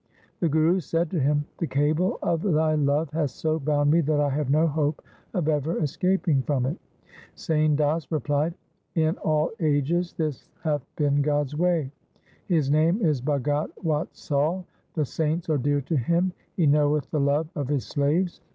The Guru said to him, ' The cable of thy love hath so bound me that I have no hope of ever escaping from it.' Sain Das replied, ' In all ages this hath been God's way. His name is Bhagat Watsal — the saints are dear to Him — He knoweth the love of His slaves.